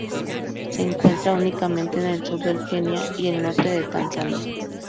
Se encuentra únicamente en el sur del Kenia y el norte de Tanzania.